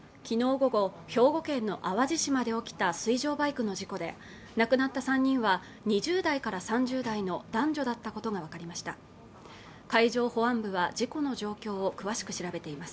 午後兵庫県の淡路島で起きた水上バイクの事故で亡くなった３人は２０代から３０代の男女だったことが分かりました海上保安部は事故の状況を詳しく調べています